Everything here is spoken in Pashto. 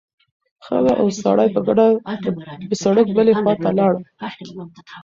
ښځه او سړی په ګډه د سړک بلې خوا ته لاړل.